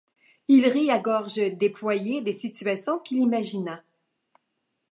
Il rit à gorge déployée des situations qu'il imagina.